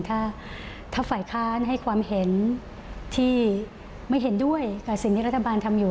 ถ้าฝ่ายค้านให้ความเห็นที่ไม่เห็นด้วยกับสิ่งที่รัฐบาลทำอยู่